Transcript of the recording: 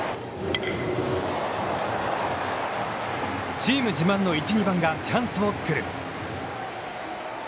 チーム自慢の１、２番がチャンスを作る。